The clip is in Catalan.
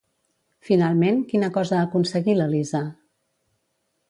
Finalment, quina cosa aconseguí l'Elisa?